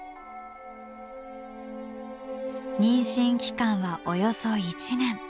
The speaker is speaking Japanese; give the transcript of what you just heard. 妊娠期間はおよそ１年。